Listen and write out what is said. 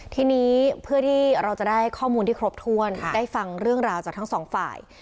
ทีนี้เพื่อที่เราจะได้ข้อมูลที่ครบถ้วนได้ฟังเรื่องราวจากทั้งสองฝ่าย